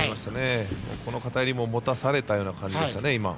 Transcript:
この片襟も持たされたような感じでしたね。